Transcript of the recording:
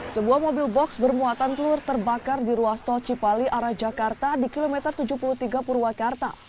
sebuah mobil box bermuatan telur terbakar di ruas tol cipali arah jakarta di kilometer tujuh puluh tiga purwakarta